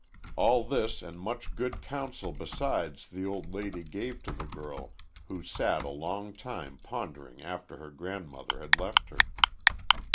All this and much good counsel besides the old lady gave to the girl who sat a long time pondering after her grandmother had left her.